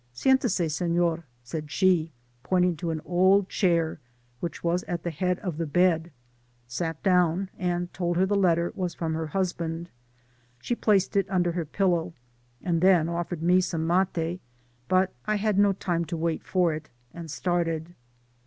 —Siente se, Sefior,'* said she, pointing to an old chair which was at the head of the bed — sat down, and told her the letter was Digitized byGoogk THK PAMPAS. 73 from her husband — she placed it under her pillow, iuid then offered me some mate, but I had no time to wait for it, and started.